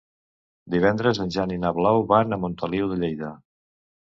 Divendres en Jan i na Blau van a Montoliu de Lleida.